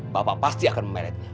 bapak pasti akan memeretnya